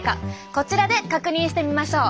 こちらで確認してみましょう。